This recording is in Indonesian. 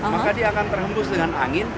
maka dia akan terhembus dengan angin